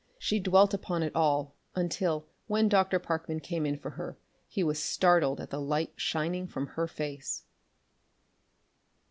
She dwelt upon it all until, when Dr. Parkman came in for her, he was startled at the light shining from her face.